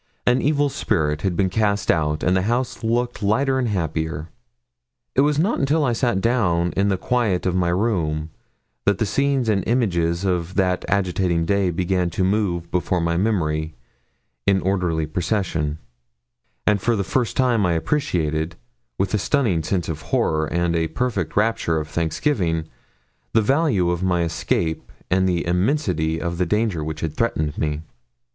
An evil spirit had been cast out, and the house looked lighter and happier. It was not until I sat down in the quiet of my room that the scenes and images of that agitating day began to move before my memory in orderly procession, and for the first time I appreciated, with a stunning sense of horror and a perfect rapture of thanksgiving, the value of my escape and the immensity of the danger which had threatened me.